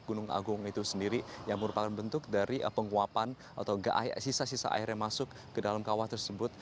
gunung agung itu sendiri yang merupakan bentuk dari penguapan atau sisa sisa air yang masuk ke dalam kawah tersebut